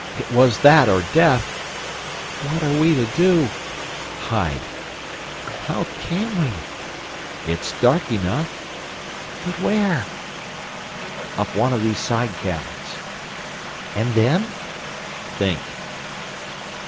"It was that or death!" "What are we to do?" "Hide." "How can we?" "It's dark enough." "But where?" "Up one of these side caverns." "And then?" "Think."